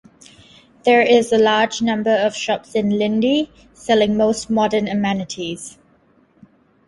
There is a large number of shops in Lindi, selling most modern amenities.